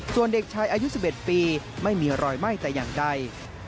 ส่วนเด็กชายอายุ๑๑ปีไม่มีรอยไหม้แต่อย่างใด